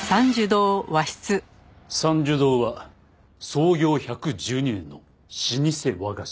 参寿堂は創業１１２年の老舗和菓子屋。